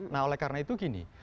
nah oleh karena itu gini